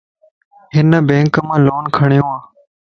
ھن بينڪ مان لون کَڙيوَ